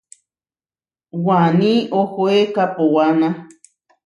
Waní ohoé kaʼpowána.